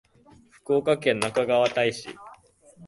福岡県那珂川市